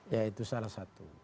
ya itu salah satu